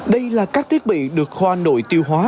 đây là các thiết bị được khoa nội tiêu hóa